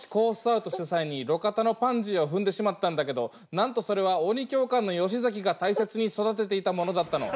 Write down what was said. アウトした際に路肩のパンジーを踏んでしまったんだけどなんとそれは鬼教官の吉崎が大切に育てていたものだったの。